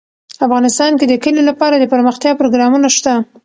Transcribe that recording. افغانستان کې د کلي لپاره دپرمختیا پروګرامونه شته.